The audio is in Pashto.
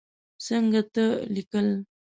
څنګ ته لیکل